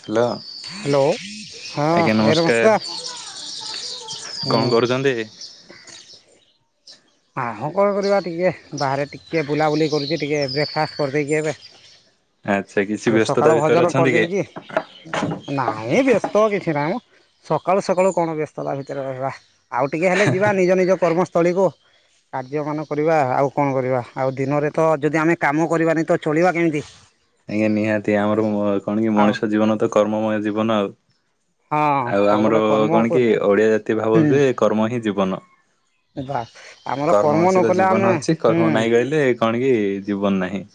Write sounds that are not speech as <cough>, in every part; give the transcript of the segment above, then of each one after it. Hello hello ଆଜ୍ଞା ନମସ୍କାର। ହୁଁ। କଣ କରୁଛନ୍ତି? ଆ ହ କଣ କରିବା ଟିକେ ବାହାରେ ଟିକିଏ ବୁଲାବୁଲି କରୁଛି ଟିକେ ବ୍ରେକ୍ଫାଷ୍ଟ କରିଦେଇକି ଟିକେ। ହ ଟିକେ ସକାଳ ଭଜନ କରିଦେଇଛି ନାଇଁ ବେଶ ତ କିଛି ନାଇଁମ ସକାଳୁ ସକାଳୁ କଣ ବ୍ୟସ୍ତତା ଭିତରେ ରହିବା। ଆଉ ଟିକେ ହେଲେ ଯିବା ନିଜ ନିଜ କର୍ମସ୍ଥଳୀକୁ। ହ କାର୍ଯ୍ୟମାନ କରିବା ଆଉ କଣ କରିବା ଆଉ ଦିନରେ ତ ଯଦି ଆମେ କାମ କରିବାନି ତ ଚଳିବା କେମିତି? ଆଜ୍ଞା ନିହାତି ଆମର କଣ କି ଆଉ ମଣିଷ ଜୀବନ ତ କର୍ମମୟ ଜୀବନ ଆଉ। ହଁ ଆଉ ଆମର ସବୁବେଳେ କର୍ମ କଣ ହୁଁ କି ଓଡିଆ ଜାତି ଭାବନ୍ତି ଯେ କର୍ମ ହିଁ ଜୀବନ। ବା ଆମର କର୍ମ ନ ଅଛି ତ କଲେ ଆମେ ଜୀବନ ଅଛି ହୁଁ କର୍ମ ନାଇଁ ଗହିଲେ କଣକି ଜୀବନ ନାହିଁ।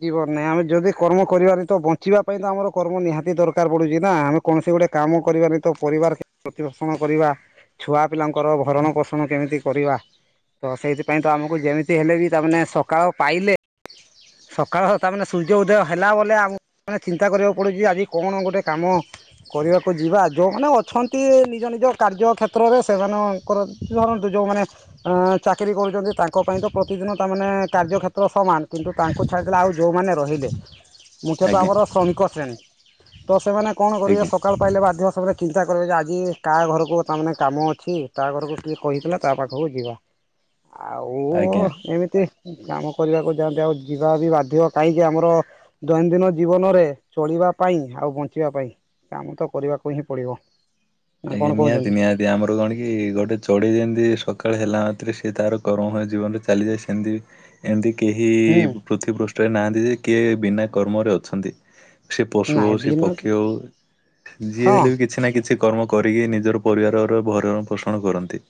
ଜବନ ନାଇଁ ଆମେ ଯଦି କର୍ମ କରିବାନି ତ ବଞ୍ଚିବା ପାଇଁ ତ ଆମର କର୍ମ ନିହାତି ଦରକାର ପଡୁଛି ନା ଆମେ କୌଣସି ଗୋଟଏ କାମ କରିବାନିତ ପରିବାର କେମିତି ପ୍ରତିପୋଷଣ କରିବା। ଛୁଆ ପିଲାଙ୍କର ଭରଣ ପୋଷଣ କେମିତି କରିବା। ତ ସେଇଥିପାଇଁ ତ ଆମକୁ ଯେମିତି ହେଲେ ବି ତାମାନେ ସକାଳ ପାଇଲେ ସକାଳ ତାମାନେେ ସୂର୍ଯ୍ୟ ଉଦୟ ହେଲା ବଲେ ଆମକୁ ଚିନ୍ତା କରିବାକୁ ପଡ଼ୁଛି ଆଜି କଣ ଗୋଟେ କାମ କରିବାକୁ ଯିବା ଯୋଉମାନେ ଅଛନ୍ତି ନିଜ ନିଜ କାର୍ଯ୍ୟ କ୍ଷେତ୍ରରେ ସେମାନ କରନ୍ତି ଧରନ୍ତୁ ଯଉମାନେ ଆଁ ଚାକିରି କରୁଛନ୍ତି ତାଙ୍କ ପାଇଁ ତ ପ୍ରତିଦିନ ତାମାନେ କାର୍ଯ୍ୟକ୍ଷେତ୍ର ସମାନ କିନ୍ତୁ ତାଙ୍କୁ ଛାଡ଼ିଦେଲେ ଆଉ ଯେଉଁମାନେ ରହିଲେ ମୁଖ୍ୟତଃ ଆଜ୍ଞା। ଆମର ଶ୍ରମିକ ଶ୍ରେଣୀ ତ ସେମାନେ କଣ କରିବେ ଆଜ୍ଞା ସକାଳ ପାଇଲେ ବାଧ୍ୟ ସେମାନେ ଚିନ୍ତା କଲେ ଯେ ଆଜି କାହା ଘରକୁ ତାମାନେ କାମ ଅଛି ତା ଘରକୁ କିଏ କହିଥିଲା ତା ପାଖକୁ ଯିବା। ହ ଆଉ ଏମିତି କାମ କରିବାକୁ ଯାଆନ୍ତି ଆଉ ଯିବାବି ବାଧ୍ୟ କାହିଁକି ଆମର ଦୈନନ୍ଦିନ ଜୀବନରେ ଚଳିବା ପାଇଁ ଆଉ ବଞ୍ଚିବା ପାଇଁ କାମ ତ କରିବାକୁ ହିଁ ପଡ଼ିବ। ନା କଣ ଆଜ୍ଞା ନିହାତି କହୁଛନ୍ତି ନିହାତି। ଜେ ଆମର କଣ କି ଗୋଟେ ଚଢ଼େଇ ଯେମିତି ସକାଳ ହେଲା ମାତ୍ରେ ସିଏ ତାର କର୍ମମୟ ଜୀବନରେ ଚାଲିଯାଏ ସେମିତି ଏମିତି କେହି ହୁଁ ପୃଥିବୀ ପୃଷ୍ଠରେ ନାହାଁନ୍ତି ଯେ କିଏ ବିନା କର୍ମରେ ଅଛନ୍ତି। ସେ ପଶୁ ହଉ ନାଇଁ ସେ ବିନା ପକ୍ଷୀ ହଉ ଯିଏ ହଁ ହେଲେ ବି କିଛି ନା କି କର୍ମ କରିକି ନିଜର ପରିବାରର ଭରଣ ପୋଷଣ କରନ୍ତି।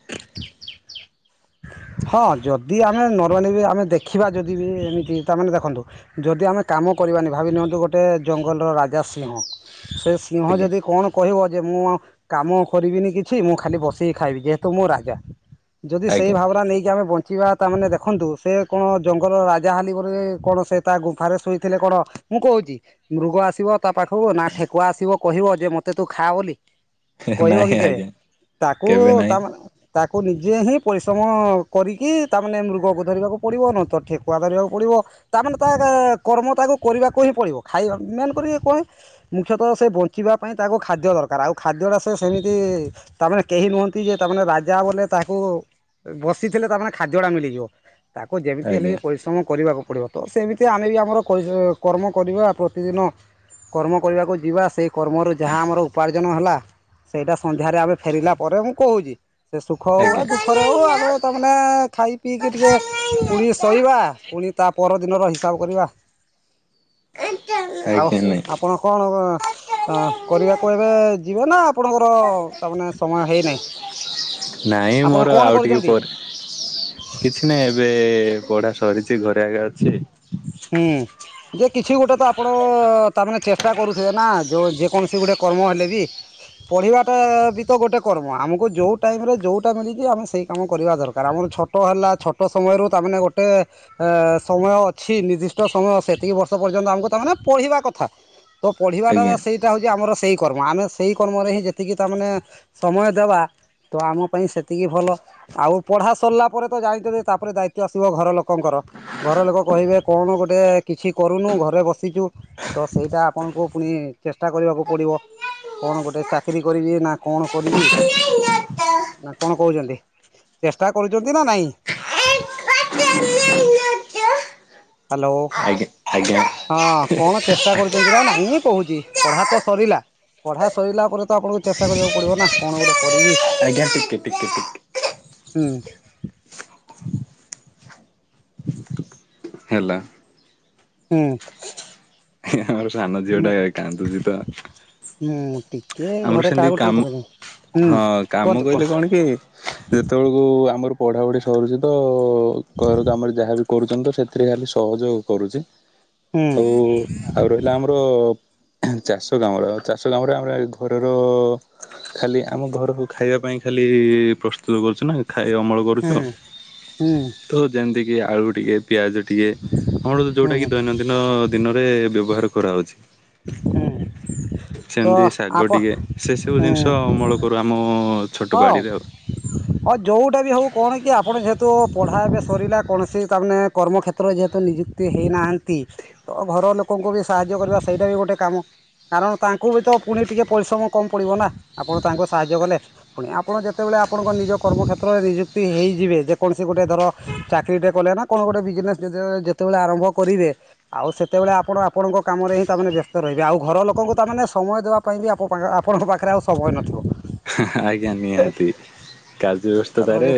ହଁ ଯଦି ଆମେ ନର୍ମାଲି ବି ଆମେ ଦେଖିବା ଯଦି ବି ଏମିତି ତାମାନେ ଦେଖନ୍ତୁ। ଯଦି ଆମେ କାମ କରିବାନି ଭାବି ନିଅନ୍ତୁ ଗୋଟେ ଜଙ୍ଗଲର ରାଜା ସିଂହ ସେ ସିଂହ ଆଜ୍ଞା। ଯଦି କଣ କହିବ ଯେ ମୁଁ ଆଉ କାମ କରିବିନି କିଛି ମୁଁ ଖାଲି ବସିକି ଖାଇବି ଯେ ତୁ ମୁଁ ରାଜା ଯଦି ସେଇ ଆଜ୍ଞା ଭାବନା ନେଇକି ଆମେ ବଞ୍ଚ ଯିବା ତାମାନେ ଦେଖନ୍ତୁ ସେ କଣ ଜଙ୍ଗଲ ରାଜା ହେଲି ବୋଲି କଣ ସେ ତା ଗୁମ୍ଫାରେ ହୋଇଥିଲେ କଣ ମୁଁ କହୁଛି ମୃଗ ଆସିବ ତା ପାଖକୁ ନା ଠେକୁଆ ଆସିବ କହିବ ଯେ ମତେ ତୁ ଖା ବୋଲି। କହିବ ନାହିଁ କି କେ ଆଜ୍ଞା ତାକୁ କେବେ ନାହିଁ ତାମାନେ ତାକୁ ନିଜେ ହିଁ ପରିଶ୍ରମ କରିକି ତା ମାନେ ମୃଗକୁ ଧରିବାକୁ ପଡିବନ ତ ଠେକ କୁଆ ଧରିବାକୁ ପଡ଼ିବ ତାମାନେ ତା କର୍ମ ତାକୁ କରିବାକୁ ହିଁ ପଡ଼ିବ ଖାଇବା ମେନ୍ କରି ଇଏ କୁହେ। ମୁଖ୍ୟତଃ ସେ ବଞ୍ଚିବା ପାଇଁ ତାକୁ ଖାଦ୍ୟ ଦରକାର ଆଉ ଖାଦ୍ୟ ଟା ସେ ସେମିତି ତାମାନେ କେହି ନୁହନ୍ତି ଯେ ତାମାନେେ ରାଜା ବୋଲେ ତାହାକୁ ବସିଥିଲେ ତାମାନେ ଖାଦ୍ୟ ଟା ମିଳିଯିବ। ତାକୁ ଯେମିତି ହେଲେ ବି ଆଜ୍ଞା ପରିଶ୍ରମ କରିବାକୁ ପଡିବ। ତ ସେମିତି ଆମେ ବି ଆମର କର୍ମ କରିବା ପ୍ରତିଦିନ କର୍ମ କରିବାକୁ ଯିବା ସେଇ କର୍ମରୁ ଯାହା ଆମର ଉପାର୍ଜନ ହେଲା ସେଇଟା ସନ୍ଧ୍ୟାରେ ଆମେ ଫେରିଲା ପରେ ମୁଁ କହୁଛି। ସେ ସୁଖ ହଉ ବା ଆଜ୍ଞା। ଆଜ୍ଞା ଦୁଖରେ ହଉ ଆମେ ତା ମାନେେ ଖାଇ ପିଇକି ଟିକେ ପୁଡି ଶୋଇବା। ପୁଣି ତା ପରଦିନର ହିସାବ କରିବା। ଏଇଟା। ଆଉ ଆପଣ କଣ? ଅ କରିବାକୁ ଏବେ ଯିବେ ନା ଆପଣଙ୍କର ତା ମାନେ ସମୟ ହେଇନାହିଁ? ନାଇଁ ଆପଣ ମୋର କଣ ଆଉ ଟିକେ କରୁଛନ୍ତି? ପରେ। କିଛି ନାହିଁ ଏବେ ପଢା ସରିଛି ଘରେ ଆଗେ ଅଛି। ହୁଁ ଯେ କିଛି ଗୋଟେ ତ ଆପଣ ତାମାନେେ ଚେଷ୍ଟା କରୁଥିବେ ନା ଯୋଉ ଯେକୌଣସି ଗୋଟେ କର୍ମ ହେଲେ ବି। ପଢ଼ିବା ଟା ବି ତ ଗୋଟେ କର୍ମ ଆମକୁ ଯେଉଁ ଟାଇମେ ଯେଉଁଟା ମିଳିଛି ଆମେ ସେଇ କାମ କରିବା ଦରକାର ଆମର ଛୋ ଛୋଟ ହେଲା ଛୋଟ ସମୟରୁ ତାମାନେେ ଗୋଟେ ଏ ସମୟ ଅଛି ନିର୍ଦ୍ଦିଷ୍ଟ ସମୟ ସେତିକି ବର୍ଷ ପର୍ଯ୍ୟନ୍ତ ଆମକୁ ତାମାନେ ପଢ଼ିବା କଥା ତ ପଢ଼ିବାଟା ଆଜ୍ଞା। ସେଇ ସେଇଟା ହଉଛି ଆମର ସେଇ କର୍ମ ଆମେ ସେଇ କର୍ମରେ ହିଁ ଯେତିକି ତାମାନେେ ସମୟ ଦେବା ତ ଆମ ପାଇଁ ସେତିକି ଭଲ। ଆଉ ପଢା ସରିଲା ପରେ ତ ଜାଣିଛ ଯେ ତାପରେ ଦାୟିତ୍ଵ ଆସିବ ଘର ଲୋକଙ୍କର ଘର ଲୋକ କହିବେ କଣ ଗୋଟେ କିଛି କରୁନୁ ଘରେ ବସିଛୁ। ତ ସେଇଟା ଆପଣଙ୍କୁ ପୁଣି ଚେଷ୍ଟା କରିବାକୁ ପଡିବ। ଆଜ୍ଞା କଣ ଗୋଟେ ଚାକିରରି କରିବି ନା କଣ କରିବି। ନା କଣ କହୁଛନ୍ତି ଚେଷ୍ଟା କରୁଛନ୍ତି ନା ନାଇଁ? ହ୍ୟାଲୋ। ଆଜ୍ଞା। ହଁ କଣ ଚେଷ୍ଟା କରୁଛନ୍ତି ନା ନାଇଁ କହୁଛି ପଢା ତ ସରିଲା ପଢା ସରିଲା ପରେ ତ ଆପଣଙ୍କୁ ଚେଷ୍ଟା କରିବାକୁ ପଡିବ ନା କଣ ଗୋଟେ କରିବି। ଆଜ୍ଞା ଟିକେ ଟିକେ ଟିକେ ହୁଁ। ହେଲା ହୁଁ। ଆମର ସାନ ଝିଅ ଟା କାନ୍ଦୁଛି ତ ମୁଁ ଟିକି ଆମର ସେମିତି କାମ ହଁ କାମ କୁହନ୍ତୁ କହିଲେ କୁହନ୍ତୁ କଣ କି ଯେ ସେତଳୁକୁ ଆମର ପଢ଼ାପଢ଼ି ସରୁଛି ତ ଘରକୁ ଆମର ଯାହା ବିି କରୁଛନ୍ତି ତ ସେ ସେଥିରେ ଖାଲି ସହଯୋଗ କରୁଛି। ହୁଁ ଆଉ ଆଉ ରହିଲା ଆମର ଚାଷ କାମ ର ଚାଷ କାମରେ ଆମର ଘରର ଖାଲି ଆମ ଘରକୁ ଖାଇବା ପାଇଁ ଖାଲି ପ୍ରସ୍ତୁତ କରୁଛୁ ନା ଖାଇ ଅମଳ ହୁଁ କରୁଚୁ ହୁଁ ତ ଯେମତି କି ଆଳୁ ଟିକେ ପିଆଜ ଟିଏ କଣ ଯୋଉଟା କି ହୁଁ ଦୈନନ୍ଦିନ ଦିନରେ ବ୍ୟବହାର କରାହଉଛି। ହୁଁ ତ ସେମିତି ଶାଗ ଆପ ଟିକେ ସେସବୁ ଜିନିଷ ଅମଳ କରୁ ଆମ ଛୋଟ ହଁ। <inaudible> ଅ ଯୋଉଟା ବି ହଉ କଣ କି ଆପଣ ଯେହେତୁ ପଢା ଏବେ ସରିଲା କୌଣସି ତାମାନେ କର୍ମକ୍ଷେ ତ୍ର ଯେହେତୁ ନିଯୁକ୍ତି ହେଇନାହାନ୍ତି ତ ଘର ଲୋକଙ୍କୁ ବି ସାହାଯ୍ୟ କରିବା ସେଇଟା ବି ଗୋଟେ କାମ। କାରଣ ତାଙ୍କୁ ବି ତ ପୁଣି ଟିକେ ପରିଶ୍ରମ କମ ପଡ଼ିବ ନା ଆପଣ ତାଙ୍କୁ ସାହାଯ୍ୟ କଲେ। ପୁଣି ଆପଣ ଯେତେବେଳେ ଆପଣଙ୍କ ନିଜ କର୍ମକ୍ଷେତ୍ରରେ ନିଯୁକ୍ତି ହେଇଯିବେ ଯେକୌଣସି ଗୋଟେ ଧର ଚାକିରିଟେ କଲେ ନା କଣ ଗୋଟେ ବିଜନେସ୍ ଯେତେବେ ଯେତେବେଳେ ଆରମ୍ଭ କରିବେ ଆଉ ସେତେବେଳେ ଆପଣ ଆପଣଙ୍କ କାମରେ ହିଁ ତାମାନେେ ବ୍ୟସ୍ତ ରହିବେ ଆଉ ଘର ଲୋକଙ୍କୁ ତାମାନେ ସମୟ ଦବା ପାଇଁ ବି ଆପ ଆପଣଙ୍କ ପାଖରେ ଆଉ ସମୟ ନଥିବ। ଆଜ୍ଞା, ନିହାତି କାର୍ଯ୍ୟ ଏଇଟା ବ୍ୟସ୍ତତାରେ ଧରି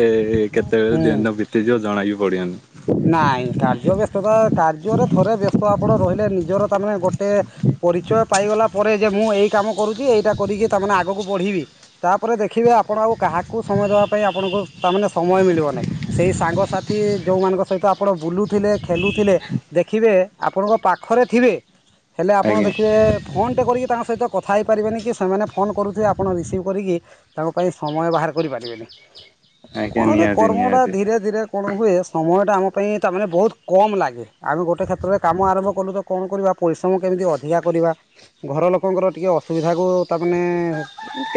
କେତେବେଳେ ହୁଁ ଦିନ ବି ତି ଯିବ ଜଣା ବି ପଡ଼ିବନି। ନାଇଁ କାର୍ଯ୍ୟ ବ୍ୟସ୍ତତା କାର୍ଯ୍ୟରେ ଥରେ ବ୍ୟସ୍ତ ଆପଣ ରହିଲେ ନିଜର ତାମାନେ ଗୋଟେ ପରିଚୟ ପାଇଗଲା ପରେ ଯେ ମୁଁ ଏଇ କାମ କରୁଚି ଏଇଟା କରିକି ତାମାନେ ଆଗକୁ ବଢିବି ତାପରେ ଦେଖିବେ ଆପଣ ଆଉ କାହାକୁ ସମୟ ଦବା ପାଇଁ ଆପଣଙ୍କୁ ତା ମାନେ ସମୟ ମିଳିବ ନାହିଁ। ସେଇ ସାଙ୍ଗସାଥି ଯୋଉମାନଙ୍କ ସହିତ ଆପଣ ବୁଲୁଥିଲେ ଖେଲୁଥିଲେ ଦେଖିବେ ଆପଣଙ୍କ ପାଖରେ ଥିବେ ହେଲେ ଆପଣ ଆଜ୍ଞା ଦେଖିବେ ଫୋନ୍ ଟେ କରିକି ତାଙ୍କ ସହିତ କଥା ହେଇପାରିବେନି କି ସେମାନେ ଫୋନ୍ କରୁଥିବେ ଆପଣ ରିସିଭ୍ କରିକି ତାଙ୍କ ପାଇଁ ସମୟ ବାହାର କରିପାରିବେନି ଆଜ୍ଞା କଣ କି ନିହାତି କର୍ମ ଟା ନିହାତି ଧୀରେ ଧୀରେ କଣ ହୁଏ ସମୟ ଟା ଆମ ପାଇଁ ତା ମାନେ ବହୁତ କମ ଲାଗେ, ଆମେ ଗୋଟେ କ୍ଷେତ୍ରରେ କାମ ଆରମ୍ଭ କଲୁ ତ କଣ କରିବା ପରିଶ୍ରମ କେମିତି ଅଧିକା କରିବା ଘର ଲୋକଙ୍କର ଟିକେ ଅସୁବିଧାକୁ ତାମାନେ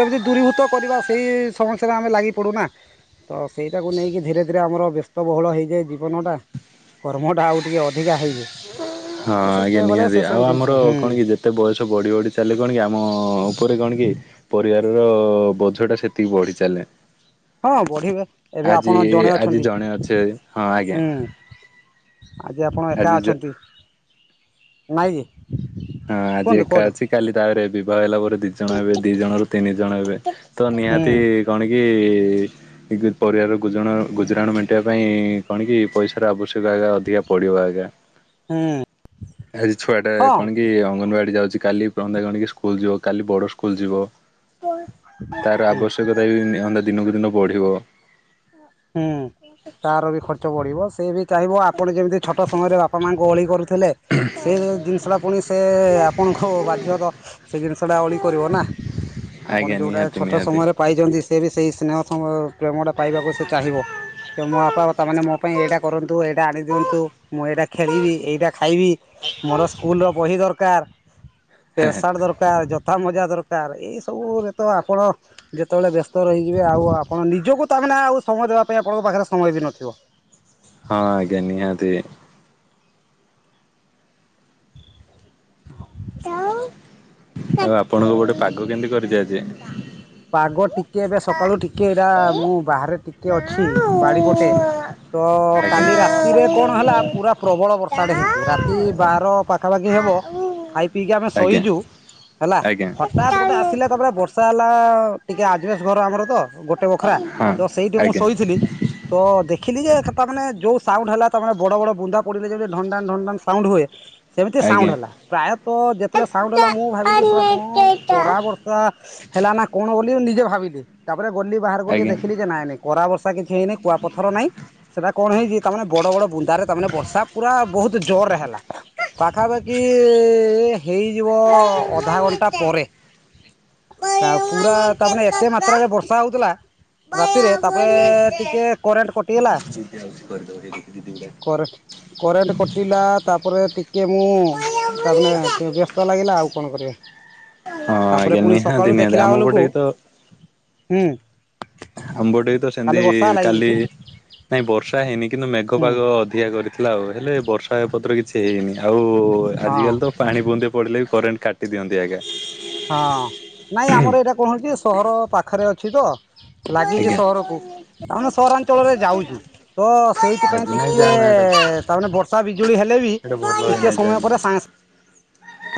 କେମିତି ଦୂରୀଭୂତ କରିବା ସେଇ ସମସ୍ୟାରେ ଆମେ ଲାଗି ପଡୁନା। ତ ସେଇଟାକୁ ନେଇକି ଧୀରେ ଧୀରେ ଆମର ବ୍ୟସ୍ତବହୁଳ ହେଇଯାଏ, ଜି ଜୀବନ ଟା, କର୍ମଟା ଆଉ ଟିକେ ଅଧିକା ହେଇଯାଏ। ତ ହଁ ଆଜ୍ଞା ସେତେବେଳେ ସେ ନିହାତି, ସବୁ ଆଉ ଜିନିଷ ଆମର ହୁଁ କଣ କି ଯେ ତେ ବୟସ ବଢି ବଢି ଚାଲେ କଣ କି ଆମ ଉପରେ କଣ କି ପରିବାର ର ବୋଝ ଟା ସେତିକି ବଢି ଚାଲେ। ହଁ ବଢିବେ, ଏବେ ଆଜି ଆପଣ ଜଣେ ଆଜି ଅଛନ୍ତି ଜଣେ ଅଛେ ହଁ ଆଜ୍ଞା ହୁଁ। ଆଜି ଆପଣ ଏକା ଆଜି ଅଛନ୍ତି, ନାଇ କି? ହଁ ଆଜି କୁହନ୍ତୁ ଏକା କୁହନ୍ତୁ ଅଛି କାଲି ତାପରେ ବିବାହ ହେଲା ପରେ ଦି ଜଣ ହେବେ ଦି ଜଣ ର ତିନି ଜଣ ହେବେ। ତ ହୁଁ ନିହାତି କଣ କି ନିଜ ପରିବାରର ଗୁଜୁଣାଣ ଗୁଜୁରାଣ ମେଣ୍ଟିବା ପାଇଁ କଣ କି ପଇସାର ଆବଶ୍ୟକ ଆଜ୍ଞା ଅଧିକା ପଡ଼ିବ ଆଜ୍ଞା। ହୁଁ। ଆଜି ଛୁଆ ଟା ହଁ କଣ କି ଅଙ୍ଗନବାଡି ଯାଉଛି କାଲି ରନ୍ଦା ଗଣିକି ସ୍କୁଲ ଯିବ କାଲି ବଡ ସ୍କୁଲ ଯିବ, ତାର ହୁଁ ଆବଶ୍ୟକ <unintelligible> ଦିନକୁ ଦିନ ବ। ହୁଁ ତାର ବି ଖର୍ଚ୍ଚ ବଢିବ ସେ ବି ଚାହିଁବ ଆପଣ ଯେମିତି ଛୋଟ ସମୟରେ ବାପା ମା ଗ ଅଳି କରୁଥିଲେ ସେ ଜିନିଷଟା ପୁଣି ସେ ଆପଣଙ୍କୁ ବାଧ୍ୟତ ସେ ଜିନିଷଟା ଅଳି କରିବ ନା ଆପଣ ଆଜ୍ଞା ଯୋଉଟା ନିହାତି ଛୋଟ ନିହାତି। ସମୟରେ ପାଇଛନ୍ତି ସେ ବି ସେଇ ତମ ସ୍ନେହ ପ୍ରେମଟା ପାଇବାକୁ ସେ ଚାହିଁବ କେ ମୋ ବାପା ମା ତାମାନେ ମୋ ପାଇଁ ଏଇଟା କରନ୍ତୁ ଏଇଟା ଆଣିଦିଅନ୍ତୁ ମୁଁ ଏଇଟା ଖେଳିବି ଏଇଟା ଖାଇବି ମୋର ସ୍କୁଲର ବହି ଦରକାର ପେସାର୍ଟ ଦରକାର ଜତା ମଜା ଦରକାର କାର୍ ଏଇସବୁ ରେ ତ ଆପଣ ଯେତେବେଳେ ବ୍ୟସ୍ତ ରହିଯିବେ ଆଉ ଆପଣ ନିଜକୁ ତାମାନେ ଆଉ ସମୟ ଦବା ପାଇଁ ଆପଣଙ୍କ ପାଖରେ ସମୟ ବି ନଥିବ। ହଁ ଆଜ୍ଞା ନିହାତି। <inaudible> ଆଉ ଆପଣଙ୍କ ପଟେ ପାଗ କେମତି କରିଛି ଆଜି। ପାଗ ଟିକେ ଏବେ ସକାଳୁ ଟିକେ ଏଇଟା ମୁଁ ଆଜ୍ଞା। ବାହାରେ ଟିକେ ଅଛି ବାଡି ପଟେ ତ ଆଜ୍ଞା ଆଜ୍ଞା। କାଲି ରାତିରେ କଣ ହେଲା ପୁରା ହଁ ପ୍ରବଳ ବର୍ଷାଟେ ହେଇଛି ରାତି ବାର ପାଖ ଖାପାଖି ହେବ। ଖାଇ ପିଇକି ଆମେ ଆଜ୍ଞା ଶୋଇଚୁ ହେଲା ଆଜ୍ଞା। ହଠାାତ ଗୋଟେ ଆସିଲା କ ପରା ବର୍ଷା ହେଲା ଅ ଟିକେ ଆଜବେସ୍ ଘର ଆମର ତ ଗୋଟେ ବଖରା ତ ସେଇଠି ମୁଁ ଶୋଇଥିଲି ତ ଦେଖିଲି ଯେ ଖା ତାମାନେ ଯୋଉ ସାଉଣ୍ଡ ହେଲା ତାମାନେେ ବଡ ବଡ ବୁନ୍ଦା ପଡିଲେ ଜେମତି ଢ଼ନ୍ନ ଢ଼ାନ୍ନ ଢ଼ନ୍ନ ଢ଼ାନ୍ନ ସାଉଣ୍ଡ ହୁଏ ସେମିତି ସାଉଣ୍ଡ ଆଜ୍ଞା। ହେଲା ପ୍ରାୟତଃ ଯେତେବେଳେ ସାଉଣ୍ଡ ଦିଦି ହେଲା ମୁଁ ଭାବିଲି ସଳା କଣ କଡ଼ା ବର୍ଷ ର୍ଷା ହେଲା ନା କଣ ବୋଲି ମୁ ନିଜେ ଭାବିଲି ତାପରେ ଗଲି ବାହାରକୁ ଟିକେ ଦେଖିଲି ଯେ ନାଇଁ ନାଇ କଡ଼ା ବର୍ଷା କିଛି ହେଇନିଁ କୁଆପଥର ନାହିଁ। ସେଟା କଣ ହେଇଛି ତା ମାନେ ବଡ ବଡ ବୁନ୍ଦା ରେ ତା ମାନେ ବର୍ଷା ପୁରା ବହୁତ ଜୋରରେ ହେଲା। ପାଖାପାଖି ହେଇଯିବ ଅଧା ଘଣ୍ଟା ପରେ। ପୁରା ତାମାନେେ ଏତେ ମାତ୍ରାରେ ବର୍ଷା ହୋଉଥିଲା ରାତିରେ ତାପରେ ଟିକେ କରେଣ୍ଟ କଟିଗଲା କରି ଦବ <unintelligible> କରେଣ୍ କରେଣ୍ଟ କଟିଲା ତାପରେ ଟି ଟିକେ ମୁଁ ହଁ ତାମାନେ କେ ବ୍ୟସ୍ତ ଲାଗିଲା ଆଉ କଣ କରିବେ। ତାପରେ ଆଜ୍ଞା ପୁଣି ନିହାତି ସକାଳୁ ଦେଖ ନିହାତି ଆମ ପଟେ ବି ତ ହୁଁ। ଆମ୍ବ ଟେ ତ କାଲି ବର୍ଷା ସେମିତି ହେଲା କି କାଲି କିଛି ନାଇଁ ବର୍ଷା ହେଇନି କିନ୍ତୁ ମେଘ ହୁଁ। ପାଗ ଅଧିକା କରି ଥିଲା ଆଉ ହେଲେ ବର୍ଷା ପତ୍ର କିଛି ହେଇନି ଆଉ ହଁ ଆଜିକାଲି ତ ପାଣି ବୁ ନ୍ଦେ ପଡିଲେ ବି କରେଣ୍ଟ କାଟି ଦିଅନ୍ତି ଆଜ୍ଞା। ହଁ ନାଇଁ ଆମର ଏଇଟା କଣ ହେଉଛି ସହର ପାଖରେ ଅଛି ତ ଲାଗିଛି ଆଜ୍ଞା। ସହରକୁ ତାମାନେ ସହରାଞ୍ଚଳରେ ଯାଉଛି ତ ସେଇ ସେଥିପାଇଁ ଆଜି ନାଇଁ ଟିକେ ଯାଆନା ଏଇଟା ତାମାନେ ବର୍ଷା ବିଜୁଳି ହେଲେ ବି ଏଇଟା ଭଲ ଟିକେ ହେଇନାହିଁ ସମୟ ଯାଆନା। ପରେ ସାଙ୍ଗେ ସା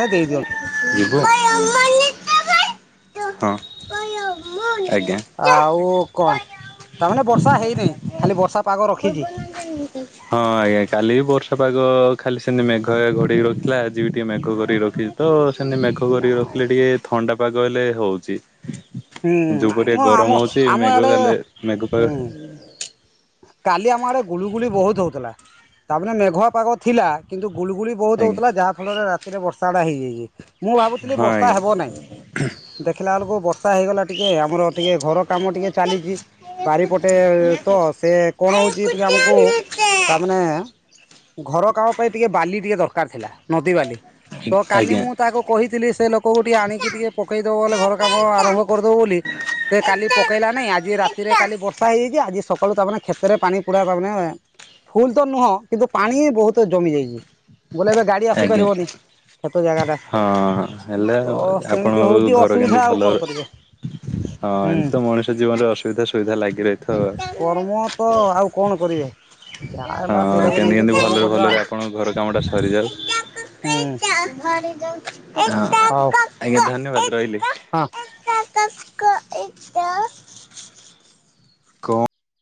ହେ ଦେଇଦିଅନ୍ତି। ଯିବୁ ହଁ ଆଜ୍ଞା <inaudible> ଆଉ କଣ ତାମାନେ ବର୍ଷା ହେଇନେହିଁ ଖାଲି ବର୍ଷା ପାଗ ରଖିଛି। ହଁ ଆଜ୍ଞା କାଲି ବି ବର୍ଷା ପାଗ ଖାଲି ସେମିତି ମେଘ ଘଡେକି ରଥିଲା ଆଜି ବି ଟିକେ ମେଘ ଘୋରେକି ରଖି ତ ସେମତି ମେଘ ହୁଁ କରିକି ରଖିଲେ ନାଇଁ ଟିକେ ଥଣ୍ଡା ପାଗ ହେଲେ ହୋଉଚି। ଯୋଉ ପଟେ ମ ଆମ ଗରମ ହଉଚି ଆମ ମେଘ ଆଡ଼େ ହେଲେ ମେଘ ପାଗ ହୁଁ କାଲି ଆମ ଆଡେ ଗୁଳୁଗୁଳି ବହୁତ ହଉଥିଲା ତାପରେ ମେଘୁଆ ପାଗ ଥିଲା କିନ୍ତୁ ଗୁଳୁଗୁଳି ବହୁତ ଆଜ୍ଞା ହଉଥିଲା ଯାହା ଫଳରେ ରାତିରେ ବର୍ଷାାଟା ହେଇଯାଇଛି ମୁଁ ଭାବୁଥିଲି ହଁ ବର୍ଷା ଆଜ୍ଞା। ହେବ ନାହିଁ। ଦେଖିଲା ବେଳକୁ ବର୍ଷ ର୍ଷା ହେଇଗଲା ଟିକେ ଆମର ଟିକେ ଘର କାମ ଟିକେ ଚାଲିଛି ବାରିପଟେ ତ। ସେ କଣ ହଉଛି ଟିକେ ଆମକୁ ତାମାନେ ଘର କାମ ପାଇଁ ଟିକେ ବାଲି ଟିକେ ଦରକାର ଥିଲା। ନଦୀ ବାଲି, ତ କାଲି ମୁଁ ତାକୁ କହିଥିଲି ସେ ଲୋ କୋଉଠି ଆଣିକି ଆଜ୍ଞା। ଟିକେ ପକେଇଦବ ବୋଲି, ଘର କାମ ଆରମ୍ଭ କରିଦବ ବୋଲି। ସେ କାଲି ପକେଇଲା ନାହିଁ। ଆଜି ରାତିରେ କାଲି ବର୍ଷା ହେଇଯାଇଛି। ଆଜି ସ କାଳୁ ତାମାନେ କ୍ଷେତରେ ପାଣି ପୁରା ହବା ମାନେ ଫୁଲ ତ ନୁହଁ, କିନ୍ତୁ ପାଣି ବହୁତ ଜମି ଯାଇଛି। ବୋଧେ ଏବେ ଗାଡି ଆସି ଆଜ୍ଞା ପାରିବନି? ଖେତ ଜାଗାଟା। ହଁ ହେଲା ତ ସେମିତି ଆପଣଙ୍କ ହଉଛି ଘର କେମିତି ଅସୁବିଧା ଆଉ ଭଲ କଣ କରିବେ? ହଁ, ହୁଁ। ଏମିତି ତ ମଣିଷ ଜୀବନରେ ଅସୁବିଧା ସୁବିଧା ଲାଗି ରହିଥିବ। କର୍ମ ତ ଆଉ କଣ କରିବେ? ଯାହା ହଁ, ହେଲା ସେଇଟାକୁ କେମତି ନେଇକି କେମତି କର୍ମ ଭଲରେ କରିବା ଭଲରେ ଆଉ ଆପଣଙ୍କ ଘର କାମଟା ସରିଯାଉ। ହଁ, ହୁଁ ଆଜ୍ଞା ହଉ ଧନ୍ୟବାଦ ରହିଲି। ହଁ। <unintelligible> କଣ?